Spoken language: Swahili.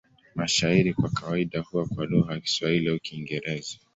Mashairi kwa kawaida huwa kwa lugha ya Kiswahili au Kiingereza.